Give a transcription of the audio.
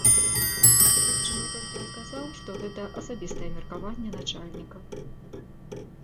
Следчы мне толькі адказаў, што гэта асабістае меркаванне начальніка.